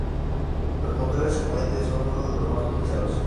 Los motores cohete son uno de los más utilizados.